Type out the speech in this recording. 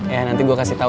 eh nanti gue kasih tau